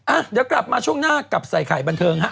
อ่ะเดี๋ยวกลับมาช่วงหน้ากับใส่ไข่บันเทิงฮะ